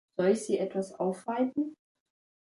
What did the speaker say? Soll ich sie etwas aufweiten?